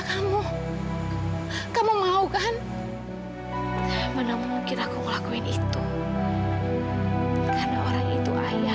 sampai jumpa di video selanjutnya